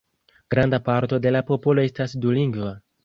Granda parto de la popolo estas dulingva.